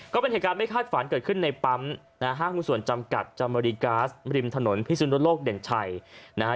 ก็เป็นเหตุการณ์ไม่คาดฝันเกิดขึ้นในปั๊มนะฮะห้างหุ้นส่วนจำกัดจาเมริกาสริมถนนพิสุนโลกเด่นชัยนะฮะ